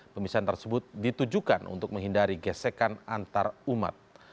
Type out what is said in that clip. pemisahan tersebut ditujukan untuk menghindari gesekan antarumat